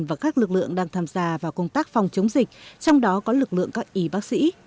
và các lực lượng đang tham gia vào công tác phòng chống dịch trong đó có lực lượng các y bác sĩ